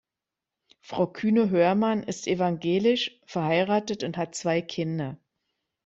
Frau Kühne-Hörmann ist evangelisch, verheiratet und hat zwei Kinder.